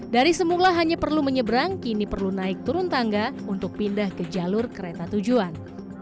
dari semula hanya perlu menyeberang kini perlu naik turun tangga untuk pindah ke jalur kereta tujuan